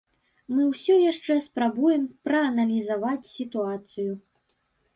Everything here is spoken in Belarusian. Мы ўсё яшчэ спрабуем прааналізаваць сітуацыю.